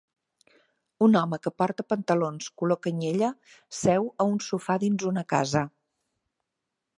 Un home que porta pantalons color canyella seu a un sofà dins una casa.